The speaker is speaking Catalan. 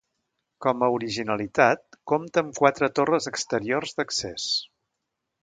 Com a originalitat, compta amb quatre torres exteriors d'accés.